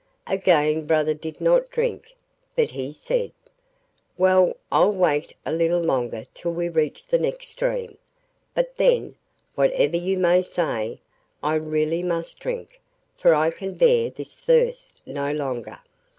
Again brother did not drink, but he said: 'Well, I'll wait a little longer till we reach the next stream, but then, whatever you may say, I really must drink, for I can bear this thirst no longer.